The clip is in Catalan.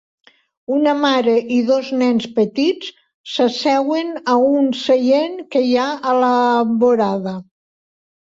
Una mare i dos nens petits s'asseuen a un seient que hi ha a la vorada.